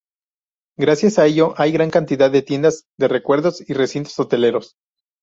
Gracias a ello hay gran cantidad de tiendas de recuerdos y recintos hoteleros.